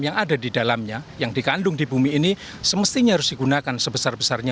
yang ada di dalamnya yang dikandung di bumi ini semestinya harus digunakan sebesar besarnya